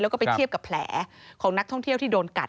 แล้วก็ไปเทียบกับแผลของนักท่องเที่ยวที่โดนกัด